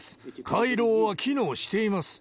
回廊は機能しています。